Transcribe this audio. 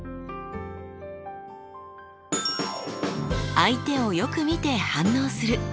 相手をよく見て反応する。